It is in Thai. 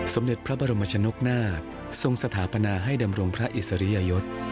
สมเด็จพระบรมชนกนาคทรงสถาปนาให้ดำรงพระอิสริยยศ